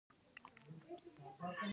د اخلاقو لپاره روزنه اړین ده